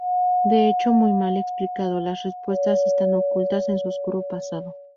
De hecho muy mal explicado, las respuestas están ocultas en su oscuro pasado.